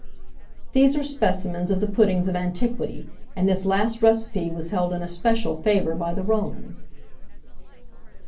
These are specimens of the puddings of antiquity, and this last recipe was held in especial favour by the Romans.